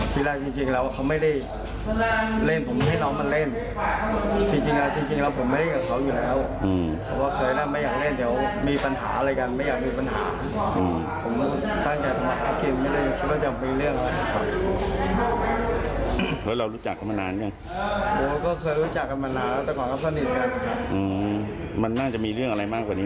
ที่แรกจริงแล้วเขาไม่ได้เล่นผมให้น้องมาเล่น